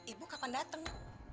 ibu kapan datang